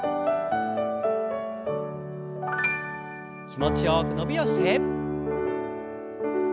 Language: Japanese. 気持ちよく伸びをして。